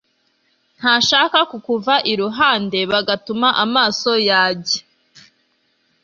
ntashaka kukuva iruhande bigatuma amaso yajye